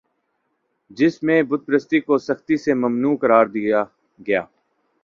جس میں بت پرستی کو سختی سے ممنوع قرار دیا گیا